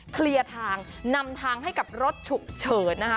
เคลียร์ทางนำทางให้กับรถฉุกเฉินนะคะ